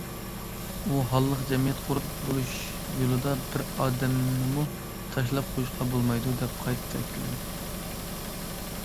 ئۇ ھاللىق جەمئىيەت قۇرۇپ بولۇش يولىدا بىر ئادەمنىمۇ تاشلاپ قويۇشقا بولمايدۇ دەپ قايتا تەكىتلىدى.